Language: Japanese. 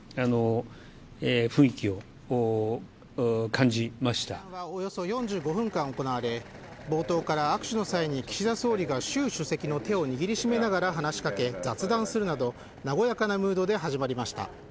会談はおよそ４５分間行われ冒頭から握手の際に岸田総理が習首席の手を握り締めながら話しかけ雑談するなど和やかなムードで始まりました。